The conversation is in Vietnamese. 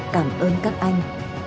cảm ơn các anh